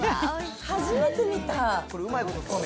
初めて見た。